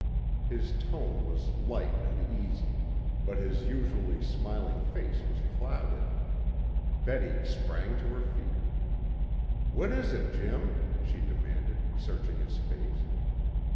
His tone was light and easy, but his usually smiling face was clouded. Betty sprang to her feet. "What is it, Jim?" she demanded, searching his face.